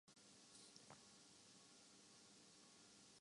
چھ انڈے الگ کئے ۔